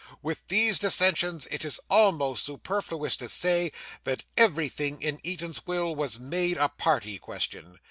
With these dissensions it is almost superfluous to say that everything in Eatanswill was made a party question.